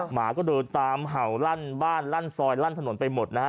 หมาก็เดินตามเห่าลั่นบ้านลั่นซอยลั่นถนนไปหมดนะฮะ